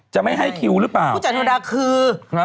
จะไม่ให้คิวหรือเปล่าผู้จัดธรรมดาคือ